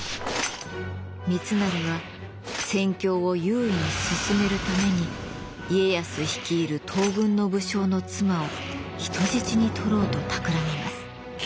三成は戦況を優位に進めるために家康率いる東軍の武将の妻を人質にとろうとたくらみます。